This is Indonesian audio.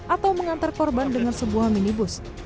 atau mengantar korban dengan sebuah minibus